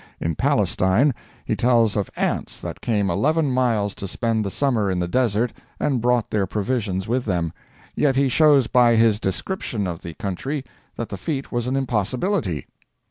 In Palestine he tells of ants that came eleven miles to spend the summer in the desert and brought their provisions with them; yet he shows by his description of the country that the feat was an impossibility.